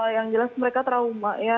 yang jelas mereka trauma ya